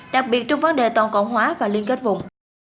đặc biệt trong vấn đề toàn cầu hóa và liên kết vùng